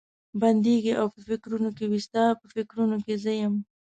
بېدېږي او په فکرونو کې وي، ستا په فکرونو کې زه یم؟